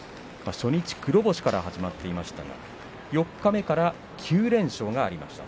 初日黒星から始まっていましたが四日目から９連勝がありました。